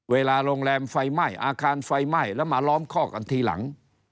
เวลาโรงแรมไฟไหม้อาคารไฟไหม้แล้วมาล้อมข้อกันทีหลัง